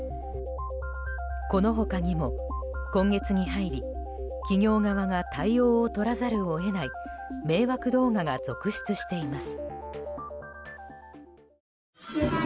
この他にも、今月に入り企業側が対応を取らざるを得ない迷惑動画が続出しています。